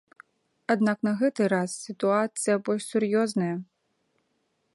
Аднак на гэты раз сітуацыя больш сур'ёзная.